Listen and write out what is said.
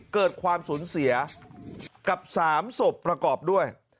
เกิดความสูญเสียกับ๓ศพประกอบด้วย